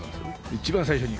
一番最初に。